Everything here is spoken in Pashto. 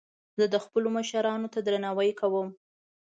زه خپلو مشرانو ته درناوی کوم